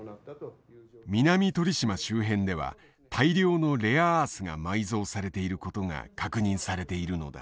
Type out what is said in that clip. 南鳥島周辺では大量のレアアースが埋蔵されていることが確認されているのだ。